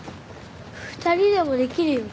２人でもできるよ。